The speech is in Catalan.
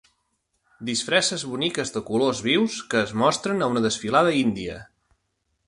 Disfresses boniques de colors vius que es mostren a una desfilada índia.